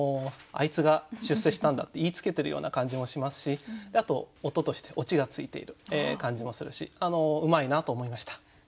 「あいつが出世したんだ」って言いつけてるような感じもしますしあと音としてオチがついている感じもするしうまいなと思いました。